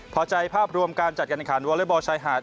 พอใจภาพรวมการจัดการขันวอเล็กบอลชายหาด